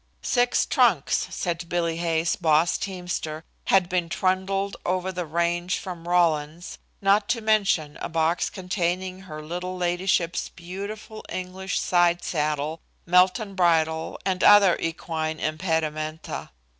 Six trunks, said Bill Hay's boss teamster, had been trundled over the range from Rawlins, not to mention a box containing her little ladyship's beautiful English side saddle, Melton bridle and other equine impedimenta.